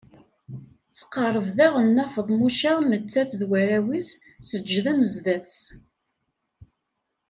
Tqerreb daɣen Nna Feḍmuca nettat d warraw-is, seǧǧden zdat-s.